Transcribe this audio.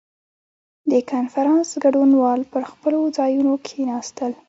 • د کنفرانس ګډونوال پر خپلو ځایونو کښېناستل.